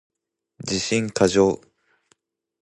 自信過剰